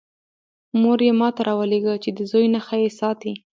مور یې ما ته راولېږه چې د زوی نښه یې ساتی.